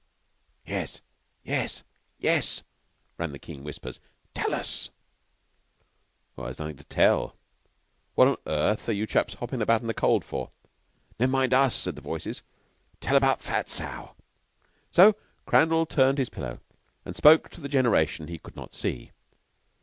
"Yes yes yes," ran the keen whispers. "Tell us" "There's nothing to tell. What on earth are you chaps hoppin' about in the cold for?" "Never mind us," said the voices. "Tell about Fat Sow." So Crandall turned on his pillow and spoke to the generation he could not see.